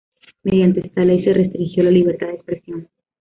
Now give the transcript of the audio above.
Mediante esta ley se restringió la libertad de expresión.